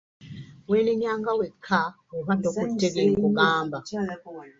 Weenenyanga wekka bw'oba tokutte bye nkugamba.